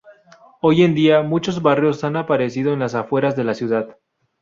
Hoy en día, muchos barrios han aparecido en las afueras de la ciudad.